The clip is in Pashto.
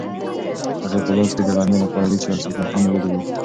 هغې په لاس کې د غرمې لپاره لوښي او دسترخوان نیولي وو.